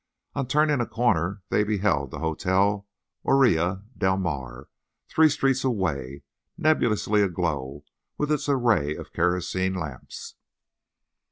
On turning a corner they beheld the Hotel Orilla del Mar three streets away, nebulously aglow with its array of kerosene lamps.